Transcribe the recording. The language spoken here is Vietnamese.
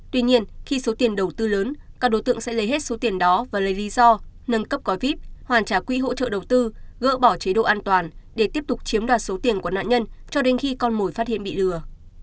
tuy nhiên khi số tiền đầu tư lớn các đối tượng sẽ lấy hết số tiền đó và lấy lý do nâng cấp gói vip hoàn trả quỹ hỗ trợ đầu tư gỡ bỏ chế độ an toàn để tiếp tục chiếm đoạt số tiền của nạn nhân cho đến khi con mồi phát hiện bị lừa